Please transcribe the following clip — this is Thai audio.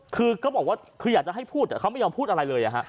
คือก็บอกว่าคืออยากจะให้พูดแต่เขาไม่ยอมพูดอะไรเลย